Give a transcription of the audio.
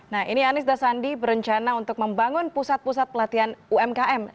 nah ini anies dan sandi berencana untuk membangun pusat pusat pelatihan umkm